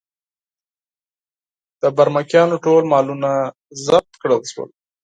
د برمکیانو ټول مالونه ضبط کړل شول.